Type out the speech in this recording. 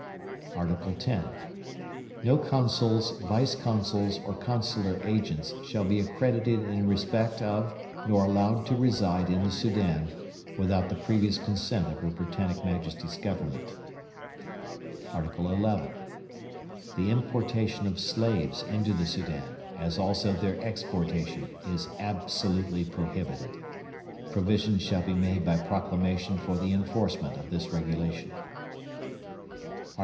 ART. X. No Consuls, Vice Consuls, or Consular Agents shall be accredited in respect of nor allowed to reside in the Soudan, without the previous consent of Her Britannic Majesty's Government. ART. XI. The importation of slaves into the Soudan, as also their exportation, is absolutely prohibited. Provision shall be made by Proclamation for the enforcement of this Regulation. ART.